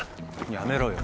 やめろよ。